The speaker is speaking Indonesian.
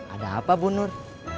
ada apa bu nur